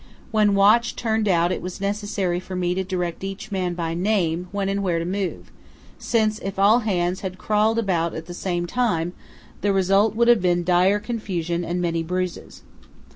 When watch turned out it was necessary for me to direct each man by name when and where to move, since if all hands had crawled about at the same time the result would have been dire confusion and many bruises.